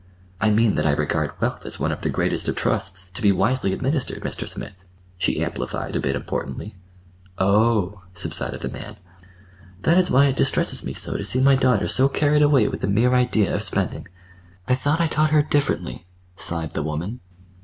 "I mean that I regard wealth as one of the greatest of trusts, to be wisely administered, Mr. Smith," she amplified a bit importantly. "Oh h!" subsided the man. "That is why it distresses me so to see my daughter so carried away with the mere idea of spending. I thought I'd taught her differently," sighed the woman.